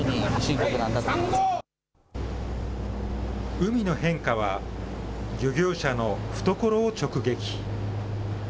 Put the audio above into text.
海の変化は、漁業者の懐を直撃。